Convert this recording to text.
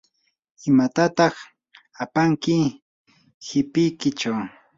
¿imatataq apanki qipikichaw?